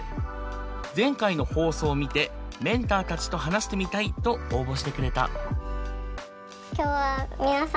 前回の放送を見てメンターたちと話してみたいと応募してくれた。